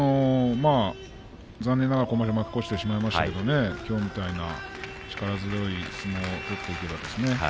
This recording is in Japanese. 残念ながら負け越してしまいましたけれどもきょうみたいな力強い相撲を取っていけばですね